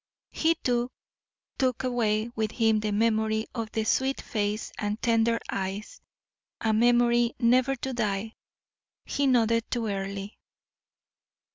He, too, took away with him the memory of the sweet face and tender eyes; a memory never to die. He nodded to Earle.